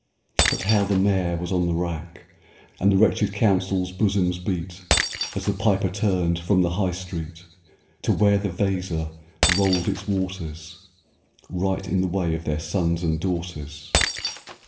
But how the Mayor was on the rack, And the wretched Council's bosoms beat, As the Piper turned from the High Street To where the Weser rolled its waters Right in the way of their sons and daughters